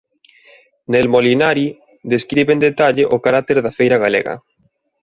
Nel Molinari describe en detalle o carácter da feira galega.